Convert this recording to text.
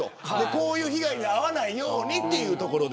こういう被害に遭わないようにというところで。